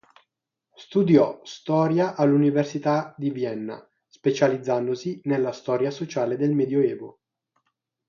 Studiò storia all'Università di Vienna, specializzandosi nella storia sociale del Medioevo.